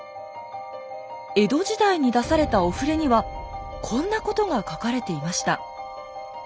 江戸時代に出されたお触れにはこんなことが書かれていました。